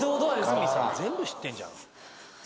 深見さん全部知ってんじゃん。